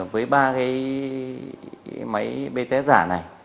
với ba cái máy bts giả này